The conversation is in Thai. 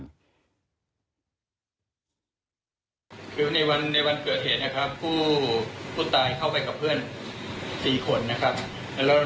คือในวันในวันเกิดเหตุนะครับผู้ตายเข้าไปกับเพื่อน๔คนนะครับ